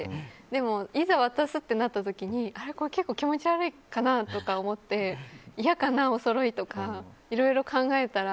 でもいざ渡すとなった時に結構気持ち悪いかなとか思って嫌かな、おそろいとかいろいろ考えたら。